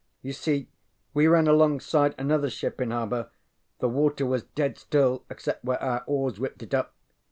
You see we ran alongside another ship in harbor. The water was dead still except where our oars whipped it up.